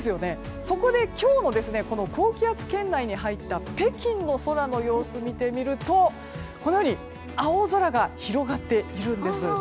そこで今日の高気圧圏内に入った北京の空の様子を見てみるとこのように青空が広がっているんです。